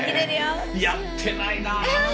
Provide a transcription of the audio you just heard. やってないな。